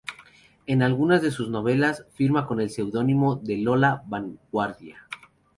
En algunas de sus novelas firma con el seudónimo de Lola Van Guardia.